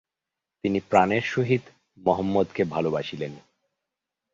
তিনি প্রাণের সহিত মহম্মদকে ভালোবাসিলেন।